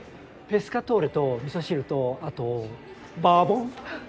ペスカトーレと味噌汁とあとバーボン。